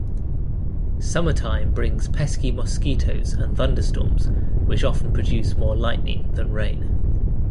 Summertime brings pesky mosquitos and thunderstorms which often produce more lightning than rain.